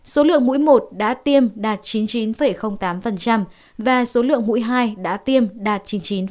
số lượng mũi một đã tiêm đạt chín mươi chín tám và số lượng mũi hai đã tiêm đạt chín mươi chín